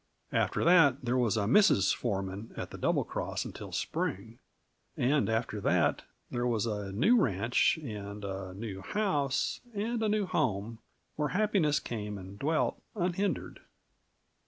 After that, there was a Mrs. foreman at the Double Cross until spring. And after that, there was a new ranch and a new house and a new home where happiness came and dwelt unhindered.